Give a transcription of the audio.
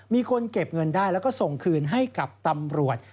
มีคนเก็บเงินได้แล้วก็ส่งคืนให้กับตำรวจ